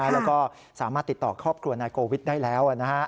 แล้วก็สามารถติดต่อครอบครัวนายโกวิทย์ได้แล้ว